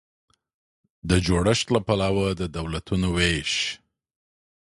د جوړښت له پلوه د دولتونو وېش